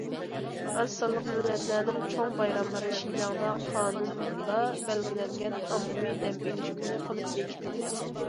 ئاز سانلىق مىللەتلەرنىڭ چوڭ بايراملىرى شىنجاڭدا قانۇندا بەلگىلەنگەن ئاممىۋى دەم ئېلىش كۈنى قىلىپ بېكىتىلدى.